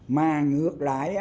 mà ngược lại